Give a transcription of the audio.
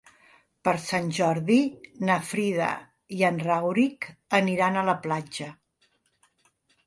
Per Sant Jordi na Frida i en Rauric aniran a la platja.